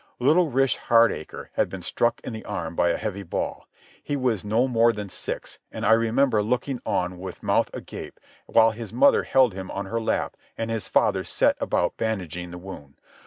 Little Rish Hardacre had been struck in the arm by a heavy ball. He was no more than six, and I remember looking on with mouth agape while his mother held him on her lap and his father set about bandaging the wound.